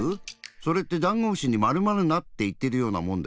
それってダンゴムシにまるまるなっていってるようなもんだよ。